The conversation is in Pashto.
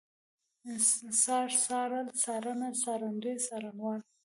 څار، څارل، څارنه، څارندوی، څارنوالي